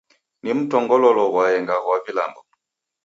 Ni mtongololo ghwaenga ghwa vilambo.